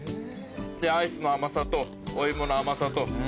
でアイスの甘さとお芋の甘さと。